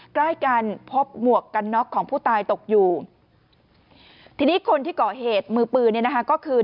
ใกล้กันพบหมวกกันน็อกของผู้ตายตกอยู่ทีนี้คนที่ก่อเหตุมือปืนเนี่ยนะคะก็คือ